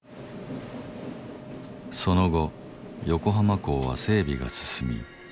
その後横浜港は整備が進み